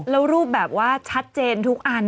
แล้วรูปแบบว่าชัดเจนทุกอัน